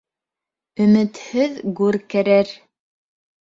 Өмөтһөҙ гүр керер.